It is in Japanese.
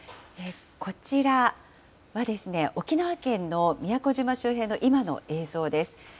こちらは、沖縄県の宮古島周辺の今の映像です。